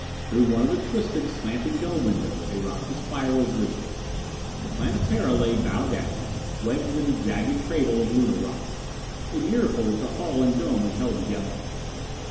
Through one of the twisted, slanting dome windows a rocky spire was visible. The Planetara lay bow down, wedged in a jagged cradle of Lunar rock. A miracle that the hull and dome had held together.